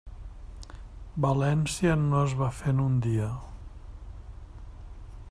València no es va fer en un dia.